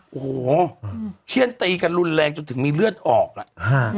โอ้โหเขี้ยนตีกันรุนแรงจนถึงมีเลือดออกอ่ะฮะ